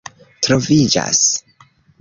troviĝas